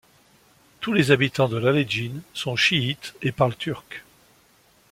Tous les habitants de Laledjin sont chiites et parlent turc.